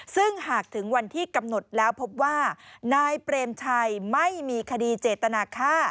ซึ่งหากถึงวันที่กำหนดแล้วพบว่านายเปรมชัยไม่มีคดีเจตนาค่า